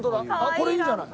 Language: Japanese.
これいいじゃない。